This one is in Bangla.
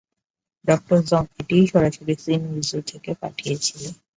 ডক্টর জং এটিই সরাসরি সিনিউইজু থেকে পাঠিয়েছিল।